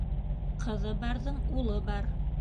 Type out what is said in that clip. Ҡыҙы барҙың улы бар.